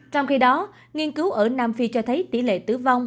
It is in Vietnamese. trong khi đó nghiên cứu ở nam phi cho thấy tỷ lệ tử vong